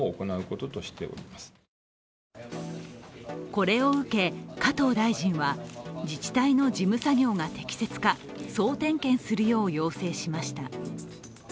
これを受け、加藤大臣は自治体の事務作業が適切か、総点検するよう要請しました。